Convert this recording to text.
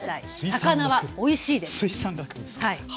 魚はおいしいです。